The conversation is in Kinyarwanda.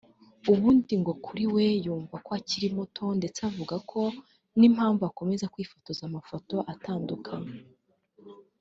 ubundi ngo kuri we yumva ko akiri muto ndetse avuga ko n’impamvu akomeza kwifotoza amafoto atandukanye